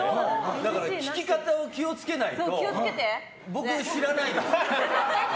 だから聞き方を気を付けないと僕、知らないです。